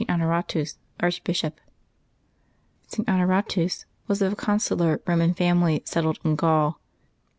HONORATUS, Archbishop. [t. Honoratus was of a consular Roman famil)' settled in Gaul.